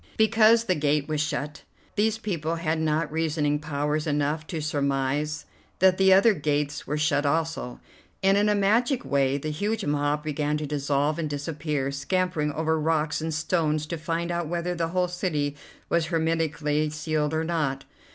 Because the gate was shut these people had not reasoning powers enough to surmise that the other gates were shut also, and in a magic way the huge mob began to dissolve and disappear, scampering over rocks and stones to find out whether the whole city was hermetically sealed or not.